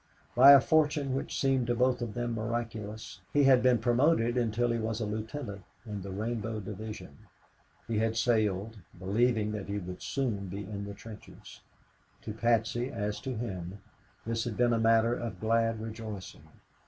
By a fortune which seemed to both of them miraculous, he had been promoted until he was a lieutenant in the Rainbow Division. He had sailed, believing that he would soon be in the trenches. To Patsy, as to him, this had been a matter of glad rejoicing.